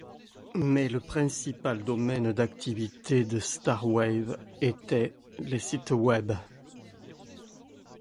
Mais le principal domaine d'activité de Starwave était les sites web.